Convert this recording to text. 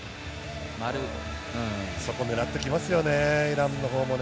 そこを狙ってきますよね、イランもね。